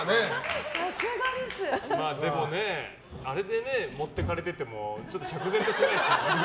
でもね、あれで持ってかれてもちょっと釈然としないですよね。